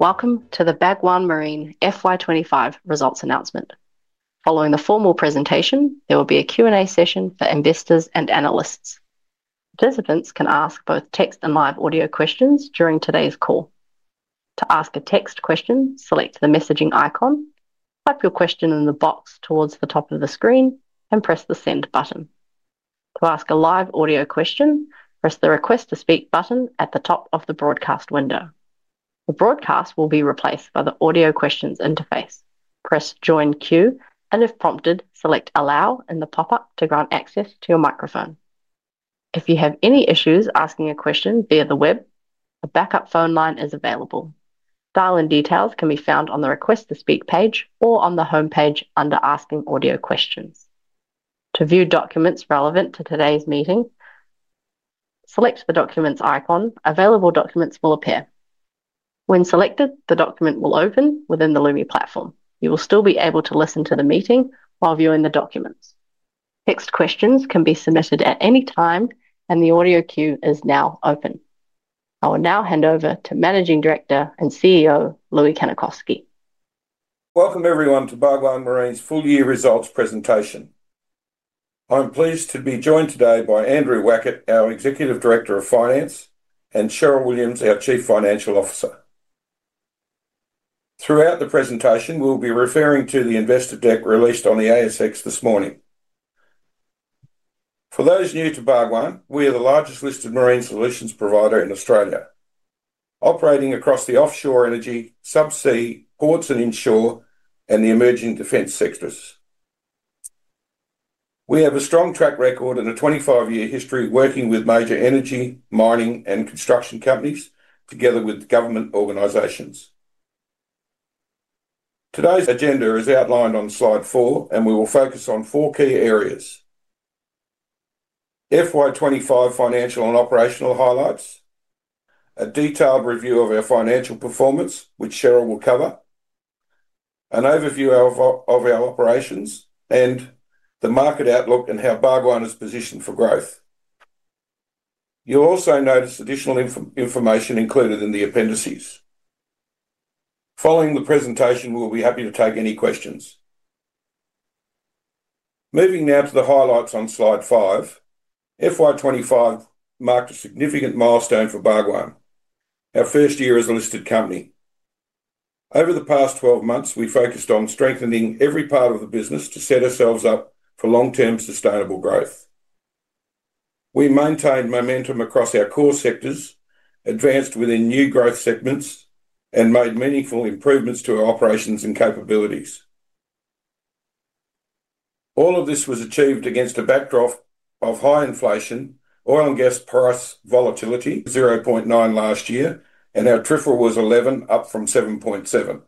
Welcome to the Bhagwan Marine FY 2025 Results Announcement. Following the formal presentation, there will be a Q&A session for investors and analysts. Participants can ask both text and live audio questions during today's call. To ask a text question, select the messaging icon, type your question in the box towards the top of the screen, and press the send button. To ask a live audio question, press the request to speak button at the top of the broadcast window. The broadcast will be replaced by the audio questions interface. Press join queue, and if prompted, select allow in the pop-up to grant access to your microphone. If you have any issues asking a question via the web, a backup phone line is available. Dial-in details can be found on the request to speak page or on the homepage under asking audio questions. To view documents relevant to today's meeting, select the documents icon. Available documents will appear. When selected, the document will open within the Loomi platform. You will still be able to listen to the meeting while viewing the documents. Text questions can be submitted at any time, and the audio queue is now open. I will now hand over to Managing Director and CEO, Loui Kannikoski. Welcome everyone to Bhagwan Marine's Full-Year Results Presentation. I'm pleased to be joined today by Andrew Wackett, our Executive Director of Finance, and Cheryl Williams, our Chief Financial Officer. Throughout the presentation, we'll be referring to the investor deck released on the ASX this morning. For those new to Bhagwan, we are the largest listed marine solutions provider in Australia, operating across the offshore energy, subsea, ports and inshore, and the emerging defense sectors. We have a strong track record and a 25-year history working with major energy, mining, and construction companies, together with government organizations. Today's agenda is outlined on slide four, and we will focus on four key areas: FY 2025 financial and operational highlights, a detailed review of our financial performance, which Cheryl will cover, an overview of our operations, and the market outlook and how Bhagwan is positioned for growth. You'll also notice additional information included in the appendices. Following the presentation, we'll be happy to take any questions. Moving now to the highlights on slide five, FY 2025 marked a significant milestone for Bhagwan. Our first year as a listed company. Over the past 12 months, we focused on strengthening every part of the business to set ourselves up for long-term sustainable growth. We maintained momentum across our core sectors, advanced within new growth segments, and made meaningful improvements to our operations and capabilities. All of this was achieved against a backdrop of high inflation, oil and gas price volatility at $0.9 last year, and our TRIFL was 11, up from 7.7.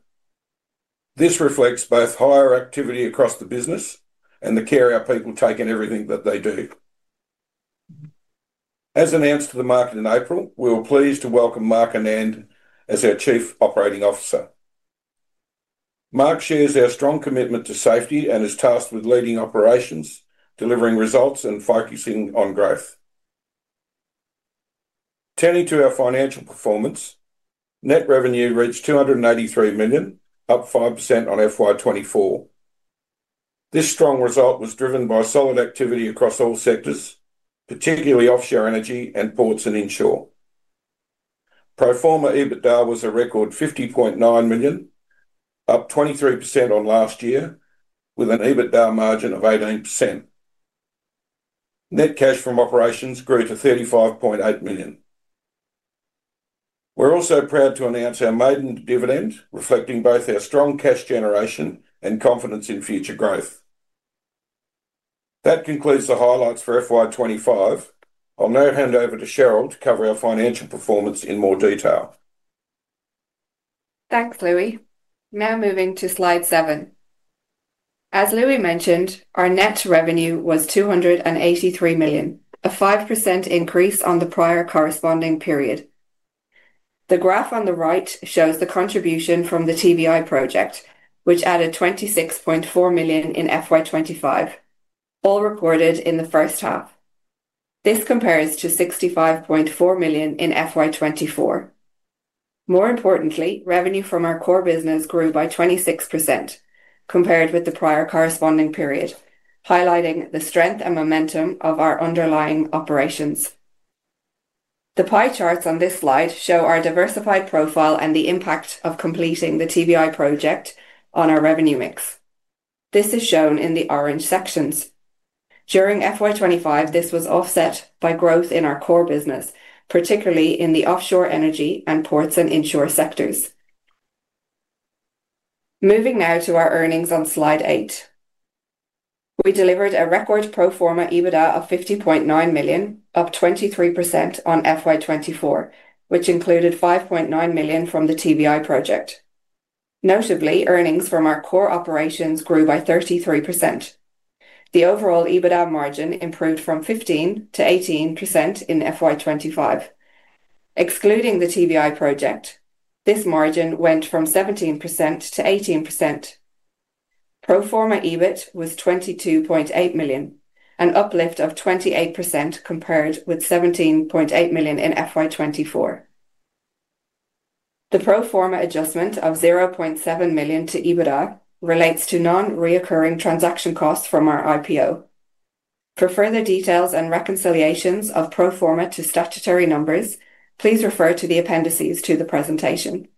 This reflects both higher activity across the business and the care our people take in everything that they do. As announced to the market in April, we were pleased to welcome Mark Annand as our Chief Operating Officer. Mark shares our strong commitment to safety and is tasked with leading operations, delivering results, and focusing on growth. Turning to our financial performance, net revenue reached $283 million, up 5% on FY 2024. This strong result was driven by solid activity across all sectors, particularly offshore energy and ports and inshore. Pro forma EBITDA was a record $50.9 million, up 23% on last year, with an EBITDA margin of 18%. Net cash from operations grew to $35.8 million. We're also proud to announce our maiden dividend, reflecting both our strong cash generation and confidence in future growth. That concludes the highlights for FY 2025. I'll now hand over to Cheryl to cover our financial performance in more detail. Thanks, Loui. Now moving to slide seven. As Loui mentioned, our net revenue was $283 million, a 5% increase on the prior corresponding period. The graph on the right shows the contribution from the TBI project, which added $26.4 million in FY 2025, all recorded in the first half. This compares to $65.4 million in FY 2024. More importantly, revenue from our core business grew by 26% compared with the prior corresponding period, highlighting the strength and momentum of our underlying operations. The pie charts on this slide show our diversified profile and the impact of completing the TBI project on our revenue mix. This is shown in the orange sections. During FY 2025, this was offset by growth in our core business, particularly in the offshore energy and ports and inshore sectors. Moving now to our earnings on slide eight. We delivered a record pro forma EBITDA of $50.9 million, up 23% on FY 2024, which included $5.9 million from the TBI project. Notably, earnings from our core operations grew by 33%. The overall EBITDA margin improved from 15% to 18% in FY 2025. Excluding the TBI project, this margin went from 17% to 18%. Pro forma EBIT was $22.8 million, an uplift of 28% compared with $17.8 million in FY 2024. The pro forma adjustment of $0.7 million to EBITDA relates to non-recurring transaction costs from our IPO. For further details and reconciliations of pro forma to statutory numbers, please refer to the appendices to the presentation.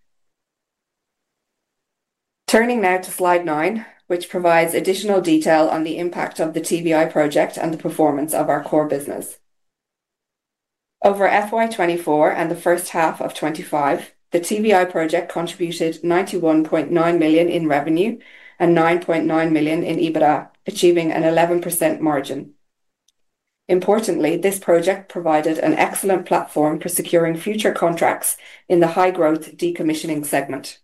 Turning now to slide nine, which provides additional detail on the impact of the TBI project on the performance of our core business. Over FY 2024 and the first half of 2025, the TBI project contributed $91.9 million in revenue and $9.9 million in EBITDA, achieving an 11% margin. Importantly, this project provided an excellent platform for securing future contracts in the high-growth decommissioning segment.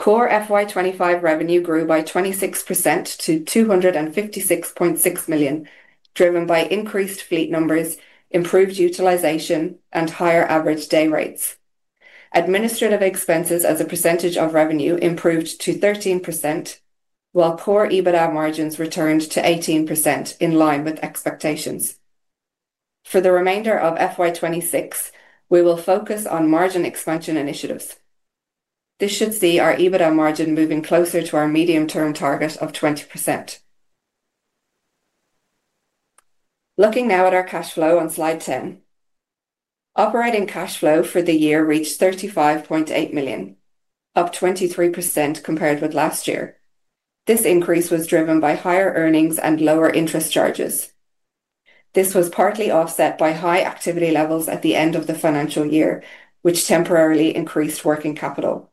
Core FY 2025 revenue grew by 26% to $256.6 million, driven by increased fleet numbers, improved utilization, and higher average day rates. Administrative expenses as a percentage of revenue improved to 13%, while core EBITDA margins returned to 18% in line with expectations. For the remainder of FY 2026, we will focus on margin expansion initiatives. This should see our EBITDA margin moving closer to our medium-term target of 20%. Looking now at our cash flow on slide 10, operating cash flow for the year reached $35.8 million, up 23% compared with last year. This increase was driven by higher earnings and lower interest charges. This was partly offset by high activity levels at the end of the financial year, which temporarily increased working capital.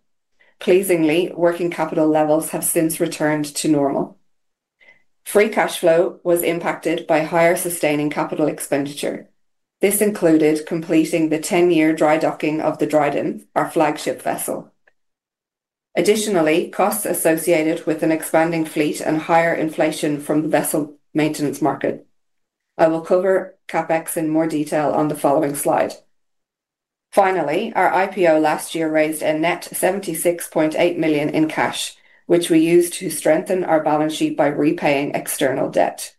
Pleasingly, working capital levels have since returned to normal. Free cash flow was impacted by higher sustaining capital expenditure. This included completing the 10-year dry docking of the Dryden, our flagship vessel. Additionally, costs associated with an expanding fleet and higher inflation from the vessel maintenance market. I will cover CapEx in more detail on the following slide. Finally, our IPO last year raised a net $76.8 million in cash, which we used to strengthen our balance sheet by repaying external debt.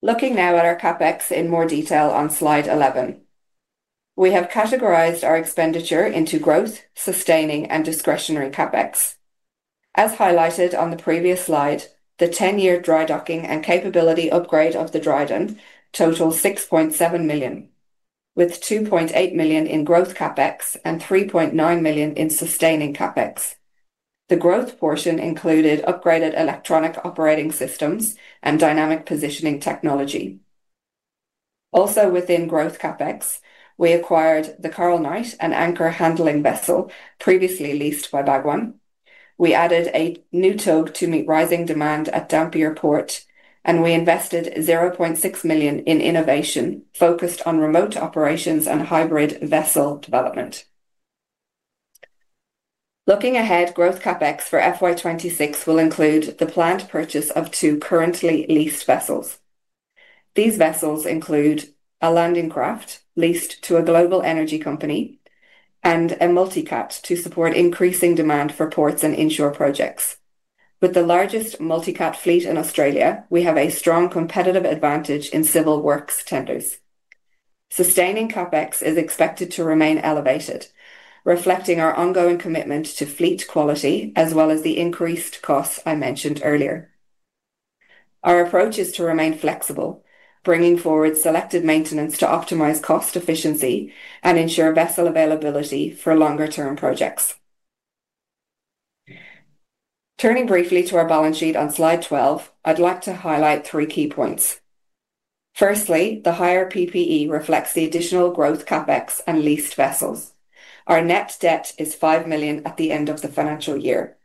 Looking now at our CapEx in more detail on slide 11, we have categorized our expenditure into growth, sustaining, and discretionary CapEx. As highlighted on the previous slide, the 10-year dry docking and capability upgrade of the Dryden totaled $6.7 million, with $2.8 million in growth CapEx and $3.9 million in sustaining CapEx. The growth portion included upgraded electronic operating systems and dynamic positioning technology. Also within growth CapEx, we acquired the Coral Knight, an anchor handling vessel previously leased by Bhagwan. We added a new tug to meet rising demand at Dampier Port, and we invested $0.6 million in innovation focused on remote operations and hybrid vessel development. Looking ahead, growth CapEx for FY 2026 will include the planned purchase of two currently leased vessels. These vessels include a landing craft leased to a global energy company and a multicat to support increasing demand for ports and inshore projects. With the largest multicat fleet in Australia, we have a strong competitive advantage in civil works tenders. Sustaining CapEx is expected to remain elevated, reflecting our ongoing commitment to fleet quality as well as the increased costs I mentioned earlier. Our approach is to remain flexible, bringing forward selected maintenance to optimize cost efficiency and ensure vessel availability for longer-term projects. Turning briefly to our balance sheet on slide 12, I'd like to highlight three key points. Firstly, the higher PPE reflects the additional growth CapEx and leased vessels. Our net debt is $5 million at the end of the financial year.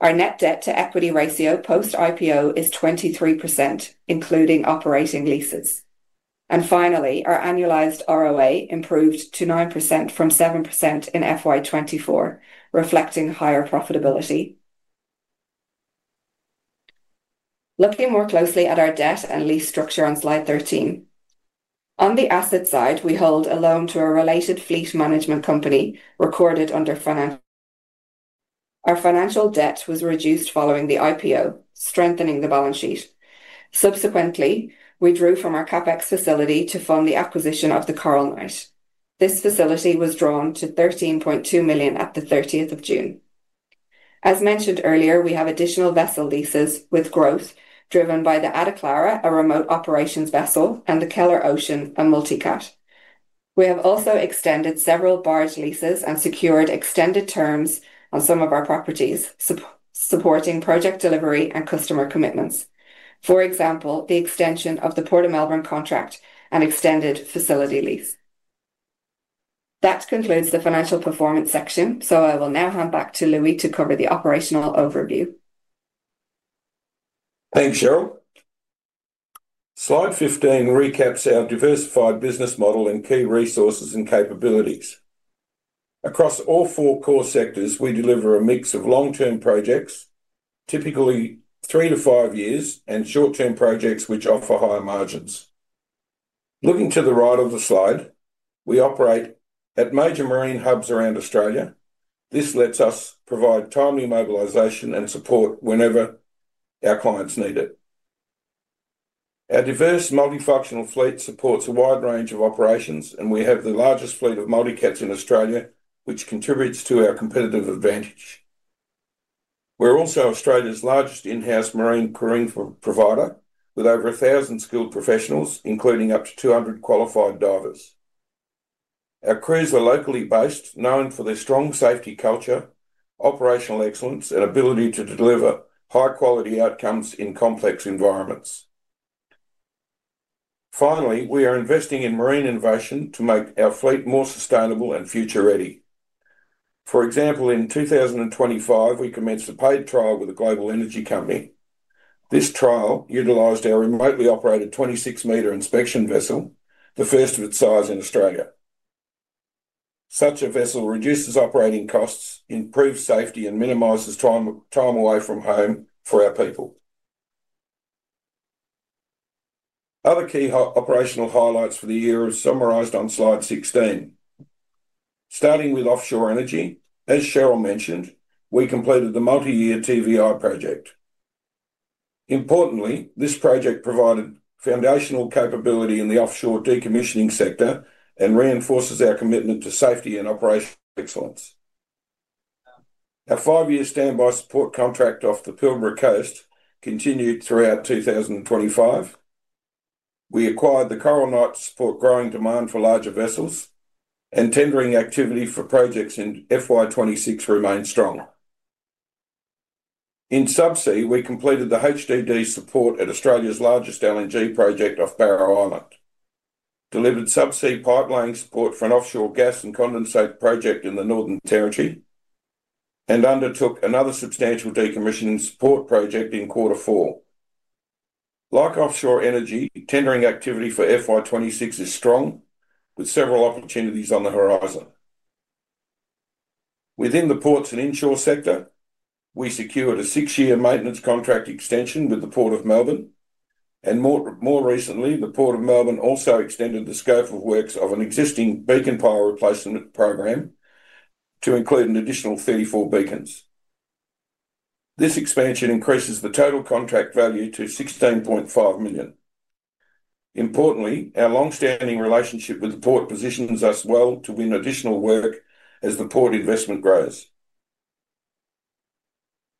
Our net debt to equity ratio post-IPO is 23%, including operating leases. Finally, our annualized ROA improved to 9% from 7% in FY 2024, reflecting higher profitability. Looking more closely at our debt and lease structure on slide 13, on the asset side, we hold a loan to a related fleet management company recorded under financial. Our financial debt was reduced following the IPO, strengthening the balance sheet. Subsequently, we drew from our CapEx facility to fund the acquisition of the Coral Knight. This facility was drawn to $13.2 million at the 30th of June. As mentioned earlier, we have additional vessel leases with growth driven by the Adeklaro, a remote operations vessel, and the Keller Ocean, a multicat. We have also extended several barge leases and secured extended terms on some of our properties, supporting project delivery and customer commitments. For example, the extension of the Port of Melbourne contract and extended facility lease. That concludes the financial performance section, so I will now hand back to Loui to cover the operational overview. Thanks, Cheryl. Slide 15 recaps our diversified business model and key resources and capabilities. Across all four core sectors, we deliver a mix of long-term projects, typically three to five years, and short-term projects which offer higher margins. Looking to the right of the slide, we operate at major marine hubs around Australia. This lets us provide timely mobilisation and support whenever our clients need it. Our diverse multifunctional fleet supports a wide range of operations, and we have the largest fleet of multicats in Australia, which contributes to our competitive advantage. We're also Australia's largest in-house marine careen provider, with over a thousand skilled professionals, including up to 200 qualified divers. Our crews are locally based, known for their strong safety culture, operational excellence, and ability to deliver high-quality outcomes in complex environments. Finally, we are investing in marine innovation to make our fleet more sustainable and future-ready. For example, in 2025, we commenced a paid trial with a global energy company. This trial utilised our remotely operated 26 m inspection vessel, the first of its size in Australia. Such a vessel reduces operating costs, improves safety, and minimizes time away from home for our people. Other key operational highlights for the year are summarised on slide 16. Starting with offshore energy, as Cheryl mentioned, we completed the multi-year TBI project. Importantly, this project provided foundational capability in the offshore decommissioning sector and reinforces our commitment to safety and operational excellence. Our five-year standby support contract off the Pilbara Coast continued throughout 2025. We acquired the Coral Knight to support growing demand for larger vessels, and tendering activity for projects in FY 2026 remains strong. In subsea, we completed the HDD support at Australia's largest LNG project off Barrow Island, delivered subsea pipeline support for an offshore gas and condensate project in the Northern Territory, and undertook another substantial decommissioning support project in quarter four. Like offshore energy, tendering activity for FY 2026 is strong, with several opportunities on the horizon. Within the ports and inshore sector, we secured a six-year maintenance contract extension with the Port of Melbourne, and more recently, the Port of Melbourne also extended the scope of works of an existing beacon power replacement program to include an additional 34 beacons. This expansion increases the total contract value to $16.5 million. Importantly, our long-standing relationship with the port positions us well to win additional work as the port investment grows.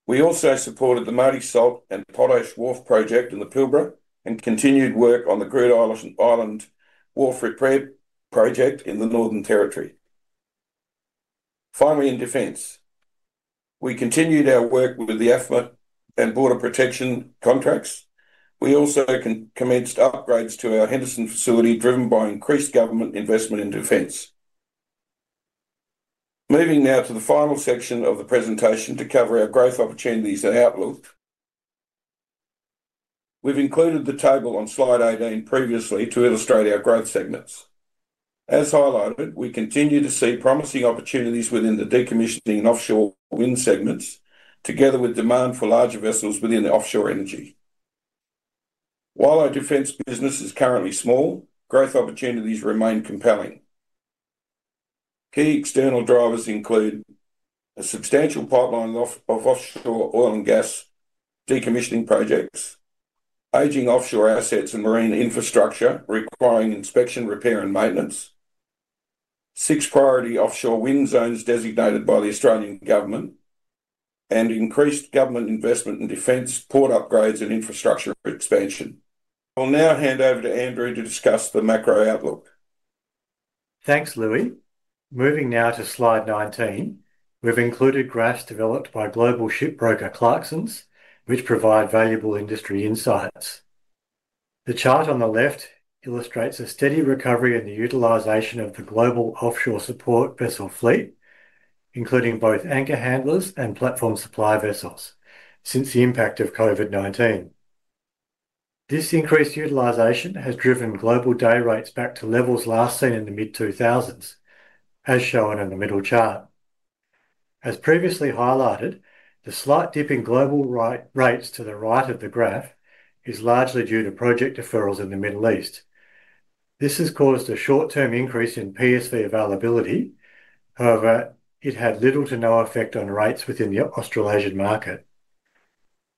We also supported the Mighty Salt and Potash Wharf project in the Pilbara and continued work on the Grey Island Wharf Repair project in the Northern Territory. Finally, in defense, we continued our work with the Afla and Border Protection contracts. We also commenced upgrades to our Henderson facility, driven by increased government investment in defense. Moving now to the final section of the presentation to cover our growth opportunities and outlook, we've included the table on slide 18 previously to illustrate our growth segments. As highlighted, we continue to see promising opportunities within the decommissioning and offshore wind segments, together with demand for larger vessels within the offshore energy. While our defense business is currently small, growth opportunities remain compelling. Key external drivers include a substantial pipeline of offshore oil and gas decommissioning projects, aging offshore assets, and marine infrastructure requiring inspection, repair, and maintenance, six priority offshore wind zones designated by the Australian Government, and increased government investment in defense, port upgrades, and infrastructure expansion. I'll now hand over to Andrew to discuss the macro outlook. Thanks, Loui. Moving now to slide 19, we've included graphs developed by global ship broker Clarkson's, which provide valuable industry insights. The chart on the left illustrates a steady recovery in the utilization of the global offshore support vessel fleet, including both anchor handlers and platform supply vessels, since the impact of COVID-19. This increased utilization has driven global day rates back to levels last seen in the mid-2000s, as shown in the middle chart. As previously highlighted, the slight dip in global rates to the right of the graph is largely due to project referrals in the Middle East. This has caused a short-term increase in PSV availability, however, it had little to no effect on rates within the Australasian market.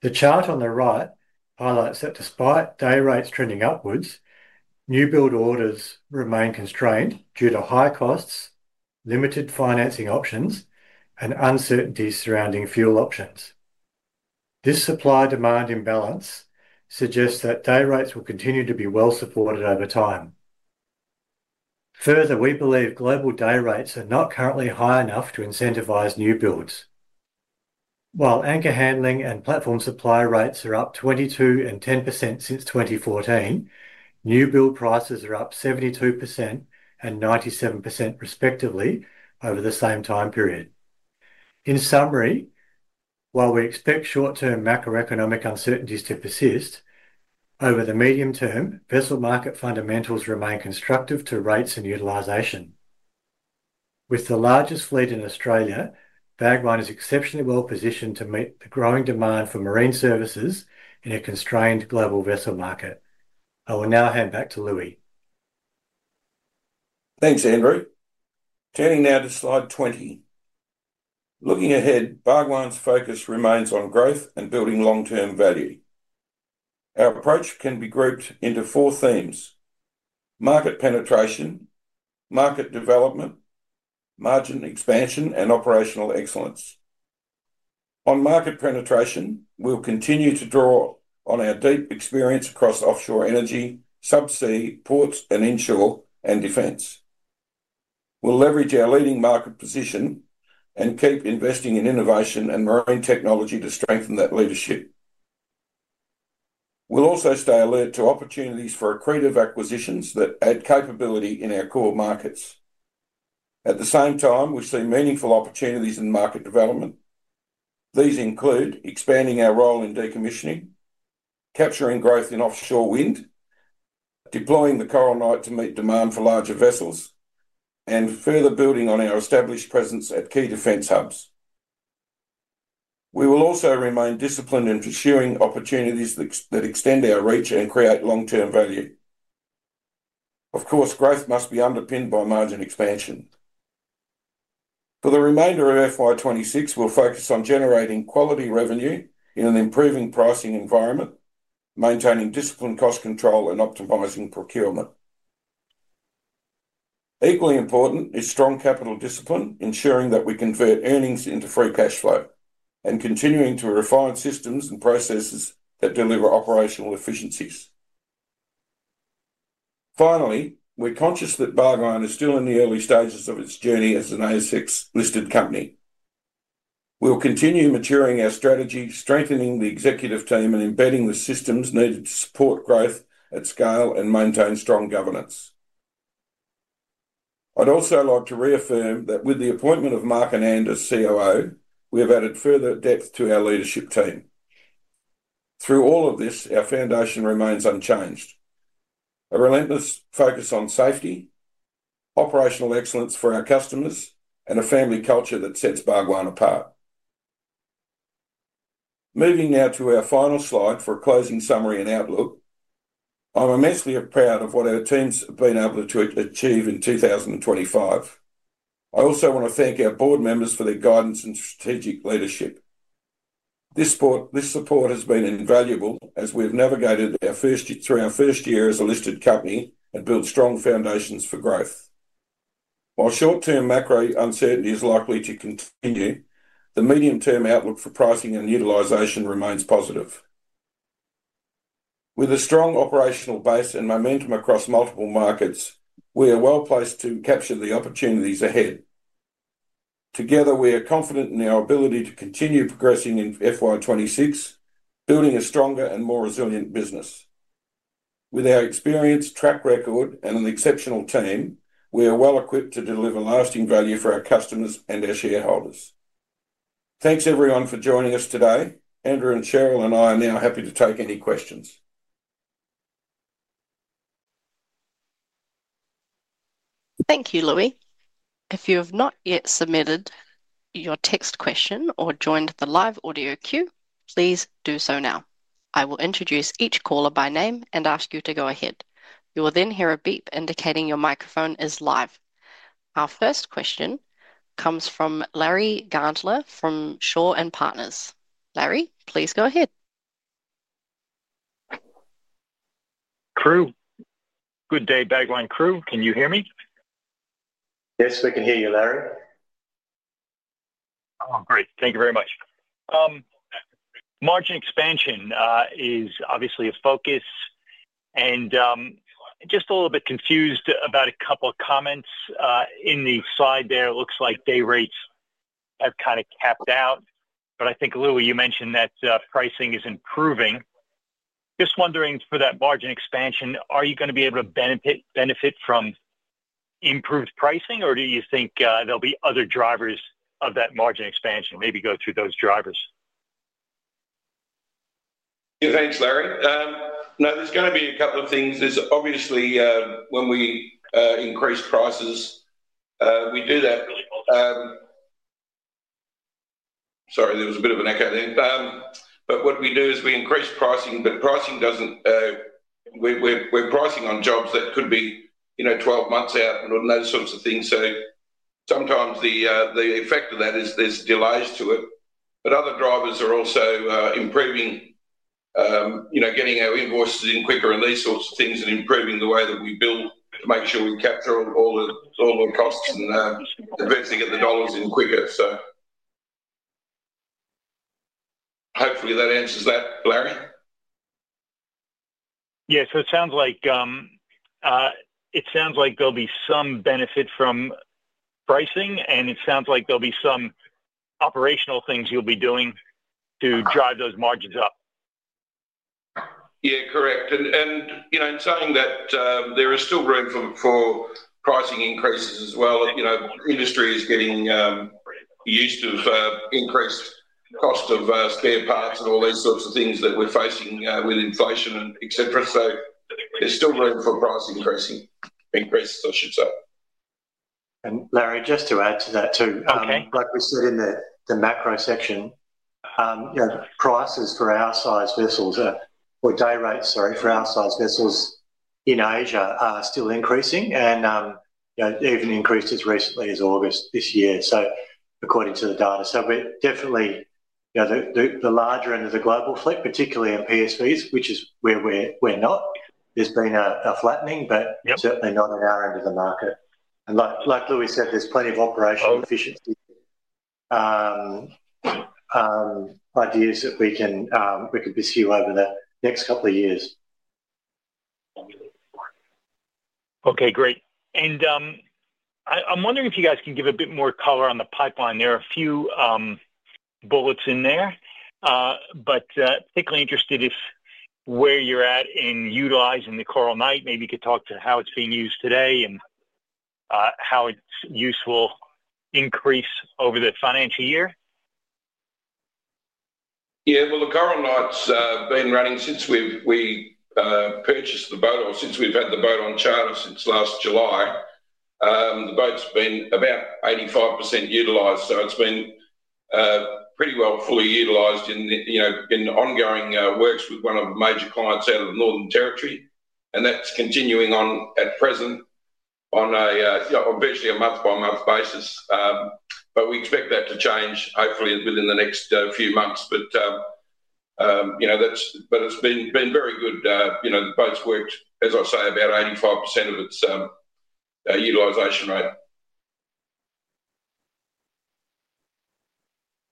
The chart on the right highlights that despite day rates trending upwards, new build orders remain constrained due to high costs, limited financing options, and uncertainty surrounding fuel options. This supply-demand imbalance suggests that day rates will continue to be well supported over time. Further, we believe global day rates are not currently high enough to incentivize new builds. While anchor handling and platform supply rates are up 22% and 10% since 2014, new build prices are up 72% and 97% respectively over the same time period. In summary, while we expect short-term macroeconomic uncertainties to persist, over the medium term, vessel market fundamentals remain constructive to rates and utilization. With the largest fleet in Australia, Bhagwan Marine is exceptionally well positioned to meet the growing demand for marine services in a constrained global vessel market. I will now hand back to Loui. Thanks, Andrew. Turning now to slide 20. Looking ahead, Bhagwan's focus remains on growth and building long-term value. Our approach can be grouped into four themes: market penetration, market development, margin expansion, and operational excellence. On market penetration, we'll continue to draw on our deep experience across offshore energy, subsea, ports, inshore, and defense. We'll leverage our leading market position and keep investing in innovation and marine technology to strengthen that leadership. We'll also stay alert to opportunities for accretive acquisitions that add capability in our core markets. At the same time, we see meaningful opportunities in market development. These include expanding our role in decommissioning, capturing growth in offshore wind, deploying the Coral Knight to meet demand for larger vessels, and further building on our established presence at key defense hubs. We will also remain disciplined in pursuing opportunities that extend our reach and create long-term value. Of course, growth must be underpinned by margin expansion. For the remainder of FY 2026, we'll focus on generating quality revenue in an improving pricing environment, maintaining disciplined cost control, and optimizing procurement. Equally important is strong capital discipline, ensuring that we convert earnings into free cash flow, and continuing to refine systems and processes that deliver operational efficiencies. Finally, we're conscious that Bhagwan is still in the early stages of its journey as an ASX-listed company. We'll continue maturing our strategy, strengthening the executive team, and embedding the systems needed to support growth at scale and maintain strong governance. I'd also like to reaffirm that with the appointment of Mark Annand, COO, we have added further depth to our leadership team. Through all of this, our foundation remains unchanged: a relentless focus on safety, operational excellence for our customers, and a family culture that sets Bhagwan apart. Moving now to our final slide for a closing summary and outlook, I'm immensely proud of what our team's been able to achieve in 2025. I also want to thank our board members for their guidance and strategic leadership. This support has been invaluable as we have navigated our first year as a listed company and built strong foundations for growth. While short-term macro uncertainty is likely to continue, the medium-term outlook for pricing and utilization remains positive. With a strong operational base and momentum across multiple markets, we are well placed to capture the opportunities ahead. Together, we are confident in our ability to continue progressing in FY 2026, building a stronger and more resilient business. With our experience, track record, and an exceptional team, we are well equipped to deliver lasting value for our customers and our shareholders. Thanks, everyone, for joining us today. Andrew and Cheryl and I are now happy to take any questions. Thank you, Loui. If you have not yet submitted your text question or joined the live audio queue, please do so now. I will introduce each caller by name and ask you to go ahead. You will then hear a beep indicating your microphone is live. Our first question comes from Larry Gandler from Shaw & Partners. Larry, please go ahead. Crew, good day, Bhagwan crew. Can you hear me? Yes, we can hear you, Larry. Oh, great. Thank you very much. Margin expansion is obviously a focus, and I'm just a little bit confused about a couple of comments in the slide there. It looks like day rates have kind of capped out, but I think, Loui, you mentioned that pricing is improving. Just wondering, for that margin expansion, are you going to be able to benefit from improved pricing, or do you think there'll be other drivers of that margin expansion? Maybe go through those drivers. Thanks, Larry. Now, there's going to be a couple of things. Obviously, when we increase prices, we do that. What we do is we increase pricing, but pricing doesn't, we're pricing on jobs that could be, you know, 12 months out and those sorts of things. Sometimes the effect of that is there's delays to it. Other drivers are also improving, you know, getting our invoices in quicker and these sorts of things and improving the way that we bill to make sure we capture all the costs and eventually get the dollars in quicker. Hopefully that answers that, Larry. It sounds like there'll be some benefit from pricing, and it sounds like there'll be some operational things you'll be doing to drive those margins up. Yeah, correct. In saying that, there is still room for pricing increases as well. Industry is getting used to increased cost of spare parts and all those sorts of things that we're facing with inflation, et cetera. There's still room for price increases, I should say. Larry, just to add to that too, like we said in the macro section, prices for our size vessels or day rates, sorry, for our size vessels in Asia are still increasing and even increased as recently as August 2023. According to the data, we're definitely the larger end of the global fleet, particularly in PSVs, which is where we're not, there's been a flattening, but certainly not on our end of the market. Like Loui said, there's plenty of operational efficiency ideas that we can pursue over the next couple of years. Okay, great. I'm wondering if you guys can give a bit more color on the pipeline. There are a few bullets in there, but particularly interested if where you're at in utilizing the Coral Knight, maybe you could talk to how it's being used today and how its useful increase over the financial year. Yeah, the Coral Knight's been running since we purchased the boat or since we've had the boat on charter since last July. The boat's been about 85% utilized, so it's been pretty well fully utilized in ongoing works with one of the major clients out of the Northern Territory, and that's continuing on at present on basically a month-by-month basis. We expect that to change hopefully within the next few months. It's been very good. The boat's worked, as I say, about 85% of its utilization rate.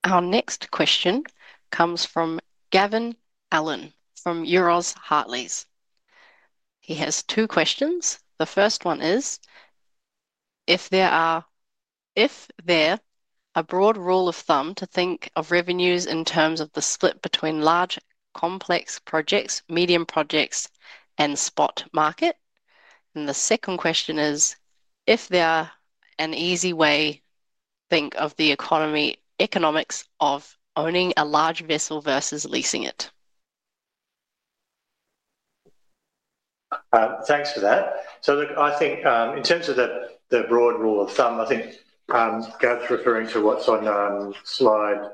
Our next question comes from Gavin Allen from Euroz Hartleys. He has two questions. The first one is, if there is a broad rule of thumb to think of revenues in terms of the split between large complex projects, medium projects, and spot market? The second question is, if there is an easy way to think of the economics of owning a large vessel versus leasing it? Thanks for that. I think in terms of the broad rule of thumb, I think Gav's referring to what's on slide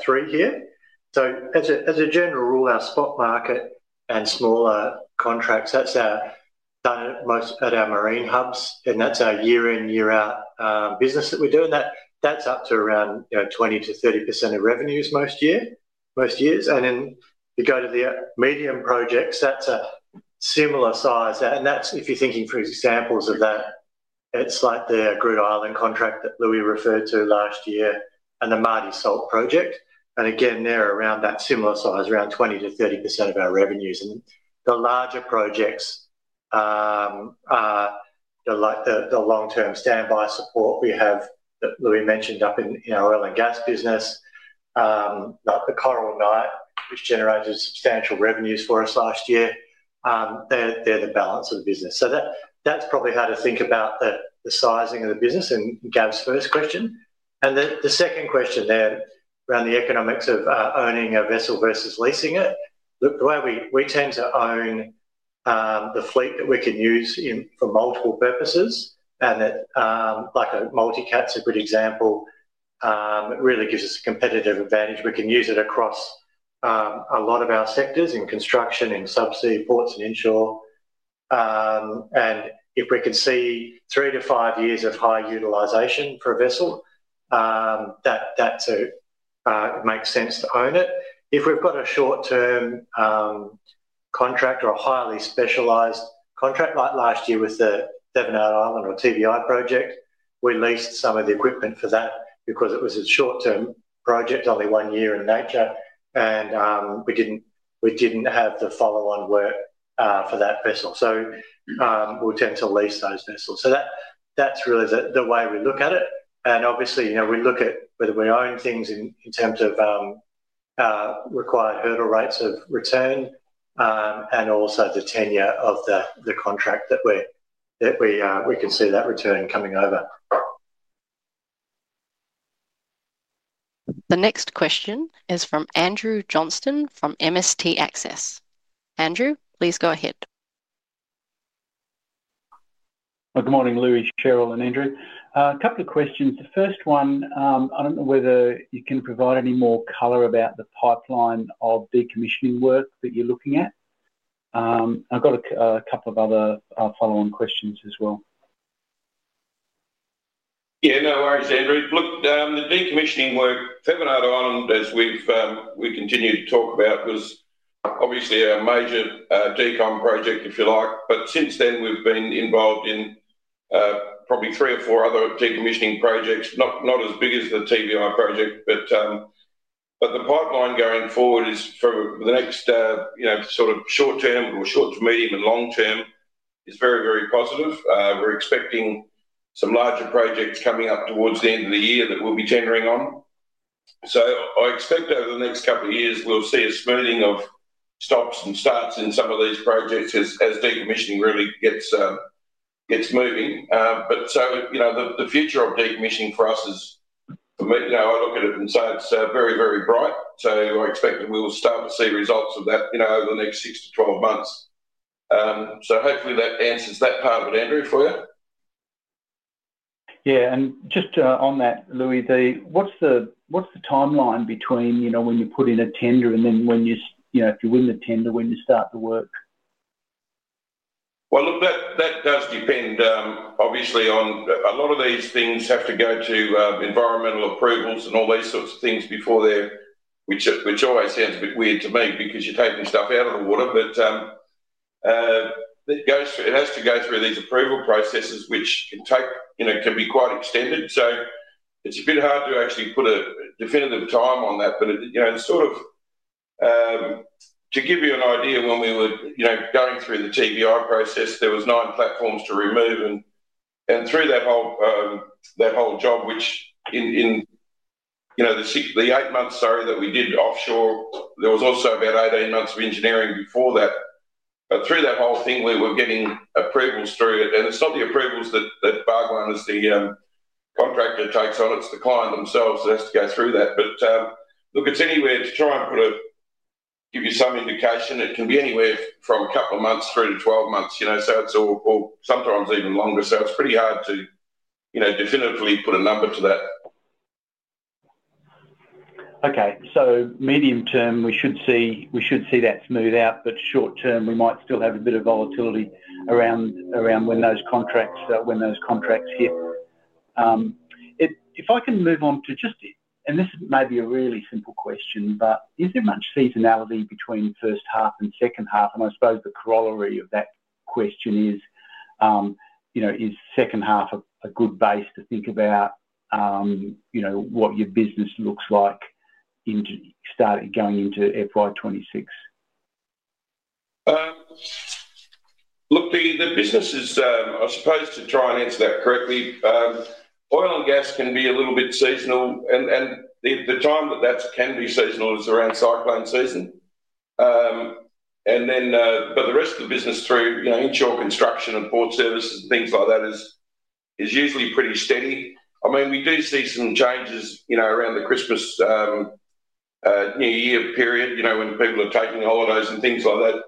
three here. As a general rule, our spot market and smaller contracts, that's done at most at our marine hubs, and that's our year-in, year-out business that we do. That's up to around 20%-30% of revenues most years. You go to the medium projects, that's a similar size. If you're thinking for examples of that, it's like the Grey Island contract that Loui referred to last year and the Mighty Salt project. Again, they're around that similar size, around 20%-30% of our revenues. The larger projects are the long-term standby support we have that Loui mentioned up in our oil and gas business. The Coral Knight, which generated substantial revenues for us last year, they're the balance of the business. That's probably how to think about the sizing of the business and Gav's first question. The second question there around the economics of owning a vessel versus leasing it. The way we tend to own the fleet that we can use for multiple purposes, and that, like a multicat's a good example, it really gives us a competitive advantage. We can use it across a lot of our sectors in construction, in subsea, ports, and inshore. If we could see three to five years of high utilization per vessel, that makes sense to own it. If we've got a short-term contract or a highly specialized contract, like last year with the Devon Out Island or TBI project, we leased some of the equipment for that because it was a short-term project, only one year in nature, and we didn't have the follow-on work for that vessel. We'll tend to lease those vessels. That's really the way we look at it. Obviously, we look at whether we own things in terms of required hurdle rates of return and also the tenure of the contract that we can see that return coming over. The next question is from Andrew Johnston from MST Access. Andrew, please go ahead. Good morning, Loui, Cheryl, and Andrew. A couple of questions. The first one, I don't know whether you can provide any more color about the pipeline of decommissioning work that you're looking at. I've got a couple of other follow-on questions as well. Yeah, no worries, Andrew. Look, the decommissioning work, Devon Island, as we've continued to talk about, was obviously a major decommissioning project, if you like. Since then, we've been involved in probably three or four other decommissioning projects, not as big as the TBI project. The pipeline going forward for the next, you know, sort of short term, or short to medium and long term, is very, very positive. We're expecting some larger projects coming up towards the end of the year that we'll be tendering on. I expect over the next couple of years, we'll see a smoothing of stops and starts in some of these projects as decommissioning really gets moving. The future of decommissioning for us is, you know, I look at it and say it's very, very bright. I expect that we will start to see results of that over the next 6 to 12 months. Hopefully that answers that part of it, Andrew, for you. Yeah, just on that, Loui, what's the timeline between when you put in a tender and then when you, if you win the tender, when you start the work? That does depend, obviously, on a lot of these things having to go to environmental approvals and all those sorts of things before they're, which always sounds a bit weird to me because you're taking stuff out of the water. It has to go through these approval processes, which can be quite extended. It's a bit hard to actually put a definitive time on that. To give you an idea, when we were going through the TBI project, there were nine platforms to remove. Through that whole job, which in the eight-month story that we did offshore, there was also about 18 months of engineering for that. Through that whole thing, we were getting approvals through it. It's not the approvals that Bhagwan as the contractor takes on; it's the client themselves that has to go through that. Look, to try and give you some indication, it can be anywhere from a couple of months through to 12 months, sometimes even longer. It's pretty hard to definitively put a number to that. Okay, so medium term, we should see that smooth out, but short term, we might still have a bit of volatility around when those contracts hit. If I can move on to just, and this may be a really simple question, is there much seasonality between first half and second half? I suppose the corollary of that question is, you know, is second half a good base to think about, you know, what your business looks like going into FY 2026? Look, the business is, I suppose, to try and answer that correctly. Oil and gas can be a little bit seasonal, and the time that that can be seasonal is around cyclone season. The rest of the business through, you know, inshore construction and port services and things like that is usually pretty steady. I mean, we do see some changes, you know, around the Christmas New Year period, you know, when people are taking holidays and things like that.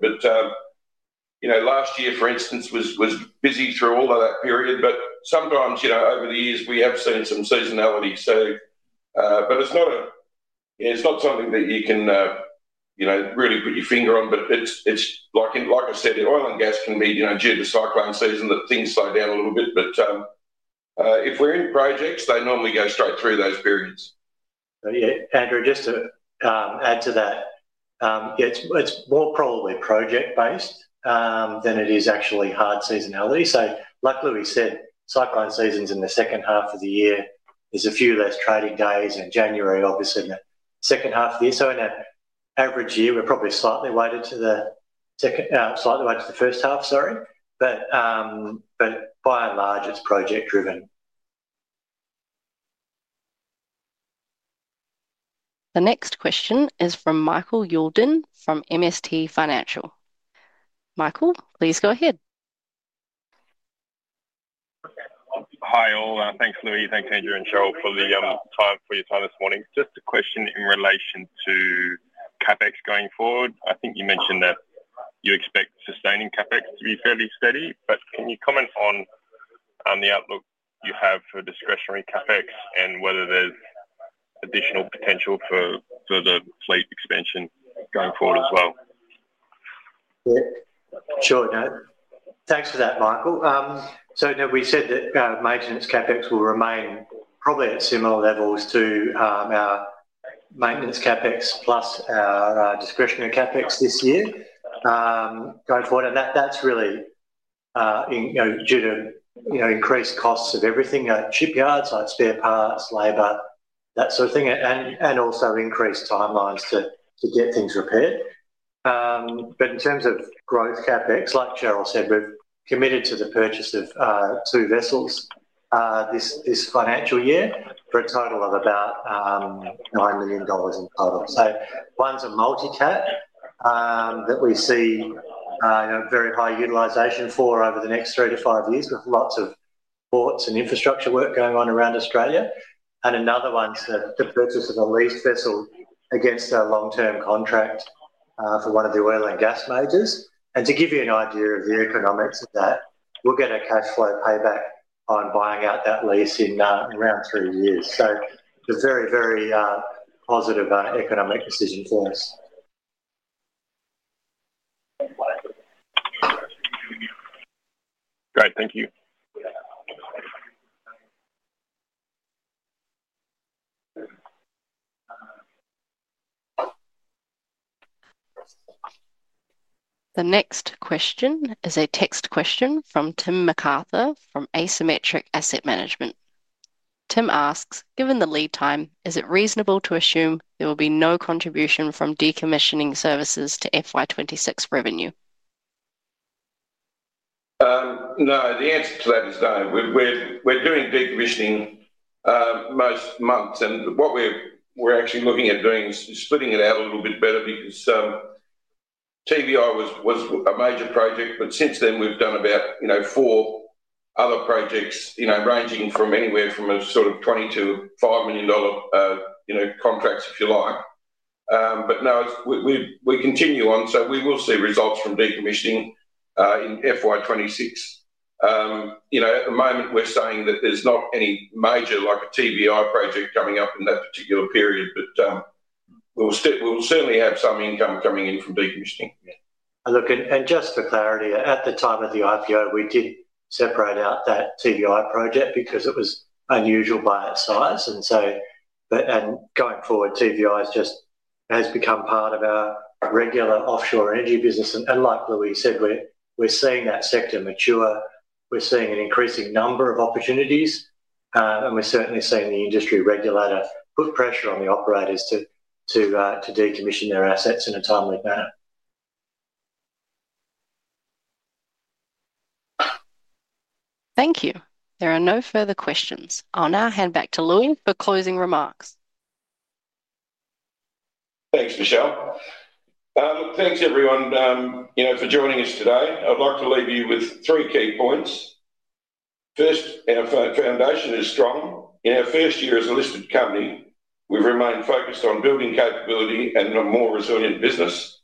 Last year, for instance, was busy through all of that period. Sometimes, you know, over the years, we have seen some seasonality. It's not something that you can, you know, really put your finger on. Like I said, the oil and gas can be, you know, due to cyclone season, that things slow down a little bit. If we're in projects, they normally go straight through those periods. Andrew, just to add to that, it's more probably project-based than it is actually hard seasonality. Luckily, we said cyclone seasons in the second half of the year, there's a few of those crowded days in January, obviously, in the second half of the year. In an average year, we're probably slightly wider to the first half, sorry. By and large, it's project-driven. The next question is from Michael Youlden from MST Financial. Michael, please go ahead. Hi all, thanks Loui, thanks Andrew and Cheryl for your time this morning. Just a question in relation to CapEx going forward. I think you mentioned that you expect sustaining CapEx to be fairly steady, but can you comment on the outlook you have for discretionary CapEx and whether there's additional potential for further fleet expansion going forward as well? Sure, thanks for that, Michael. No, we said that maintenance CapEx will remain probably at similar levels to our maintenance CapEx plus our discretionary CapEx this year going forward. That's really due to increased costs of everything at shipyards, like spare parts, labor, that sort of thing, and also increased timelines to get things repaired. In terms of growth CapEx, like Cheryl said, we're committed to the purchase of two vessels this financial year for a total of about $9 million in total. One's a multicat that we see very high utilization for over the next three to five years with lots of ports and infrastructure work going on around Australia. Another one's the purchase of a leased vessel against a long-term contract for one of the oil and gas majors. To give you an idea of the economics of that, we'll get a cash flow payback on buying out that lease in around three years. It's a very, very positive economic decision for us. Great, thank you. The next question is a text question from Tim McArthur from Asymmetric Asset Management. Tim asks, given the lead time, is it reasonable to assume there will be no contribution from decommissioning services to FY 2026 revenue? No, the answer to that is no. We're doing decommissioning most months, and what we're actually looking at doing is splitting it out a little bit better because TBI was a major project. Since then we've done about, you know, four other projects, ranging from anywhere from a sort of $20 million-$5 million contracts, if you like. No, we continue on, so we will see results from decommissioning in FY 2026. At the moment we're saying that there's not any major, like a TBI project coming up in that particular period, but we'll certainly have some income coming in from decommissioning. For clarity, at the time of the IPO, we did separate out that TBI project because it was unusual by our size. Going forward, TBI has just become part of our regular offshore energy business. Like Loui said, we're seeing that sector mature. We're seeing an increasing number of opportunities, and we're certainly seeing the industry regulator put pressure on the operators to decommission their assets in a timely manner. Thank you. There are no further questions. I'll now hand back to Loui for closing remarks. Thanks, Michelle. Thanks, everyone, for joining us today. I'd like to leave you with three key points. First, our foundation is strong. In our first year as a listed company, we've remained focused on building capability and a more resilient business.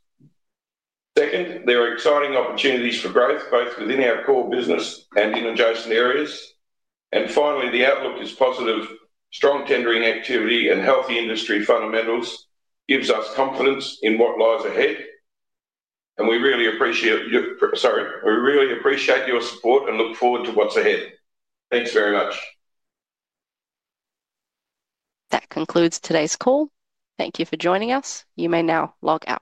Second, there are exciting opportunities for growth, both within our core business and in adjacent areas. Finally, the outlook is positive. Strong tendering activity and healthy industry fundamentals give us confidence in what lies ahead. We really appreciate your support and look forward to what's ahead. Thanks very much. That concludes today's call. Thank you for joining us. You may now log out.